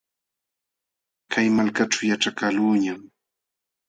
Kay malkaćhu yaćhakaqluuñam.